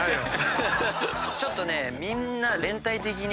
ちょっとねみんな。